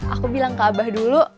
aku bilang ke abah dulu